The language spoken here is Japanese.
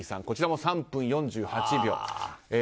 こちらも３分４８秒。